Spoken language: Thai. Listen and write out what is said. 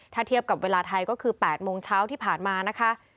ถ้าเทียบกับเวลาไทยก็คือ๘โมงเช้าที่ผ่านมานะคะ